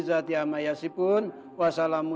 bikin malu nyesel aku kawin sama kamu